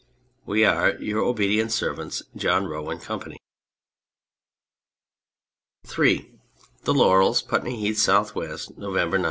We are, Your obedient Servants, JOHN ROE & COMPANY. Ill The Laurels, Putney Heath, S. W. November 9.